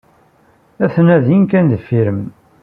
Aten-a din kan deffir-m.